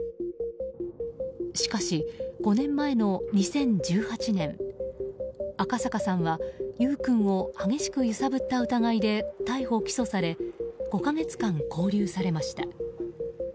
しかし５年前の２０１８年赤阪さんは優雨君を激しく揺さぶった疑いで逮捕・起訴され５か月間勾留されました。